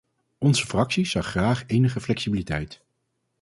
Onze fractie zag graag enige flexibiliteit.